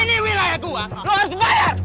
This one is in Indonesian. ini wilayah gue lo harus bayar